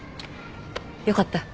よかった。